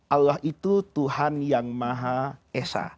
allah itu tuhan yang maha esa